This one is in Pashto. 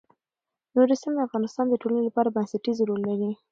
نورستان د افغانستان د ټولنې لپاره بنسټيز رول لري.